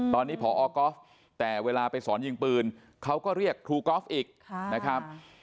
ตอนนี้พอก๊อฟแต่เวลาไปสอนยิงปืนเขาก็เรียกครูกอล์ฟอีกนะครับ